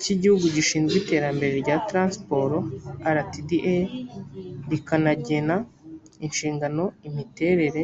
cy igihugu gishinzwe iterambere rya transiporo rtda rikanagena inshingano imiterere